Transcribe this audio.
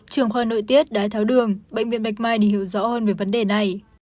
trưởng khoa nội tiết đại tháo đường bệnh viện bạch mai để hiểu rõ hơn về vấn đề này